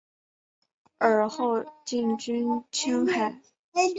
尔后进军青海。